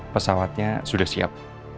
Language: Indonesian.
pesawatnya sudah siap